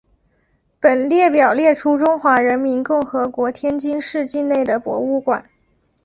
本列表列出中华人民共和国天津市境内的博物馆。